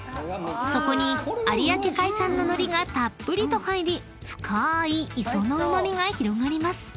［そこに有明海産の海苔がたっぷりと入り深ーい磯のうま味が広がります］